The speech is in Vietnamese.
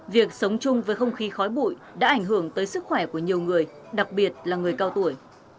việc sống chung với không khí khói bụi đã ảnh hưởng tới sức khỏe của nhiều người đặc biệt là người cao tuổi